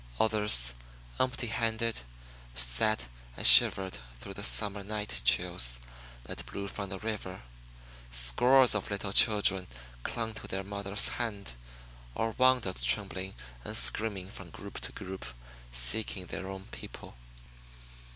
Others, empty handed, sat and shivered through the summer night chills that blew from the river. Scores of little children clung to their mother's hands, or wandered trembling and screaming from group to group, seeking their own people.